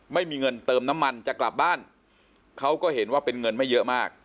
ไม่มีเงินเติมน้ำมันจะกลับบ้านเขาก็เห็นว่าเป็นเงินไม่เยอะมาก